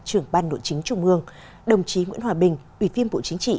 trưởng ban nội chính trung ương đồng chí nguyễn hòa bình ủy viên bộ chính trị